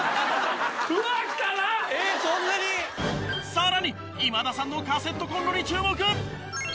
さらに今田さんのカセットコンロに注目！